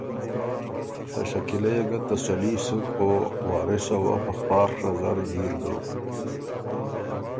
ته شکیلۀ يې ګۀ تسلي سُک او وارثه وه په خواڒ نظر جیر دوک۔